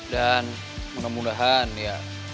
dan mudah mudahan ya